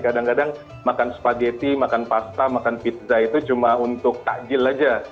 kadang kadang makan spaghetti makan pasta makan pizza itu cuma untuk takjil aja